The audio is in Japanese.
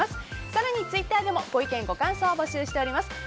更にツイッターでもご意見、ご感想を募集しています。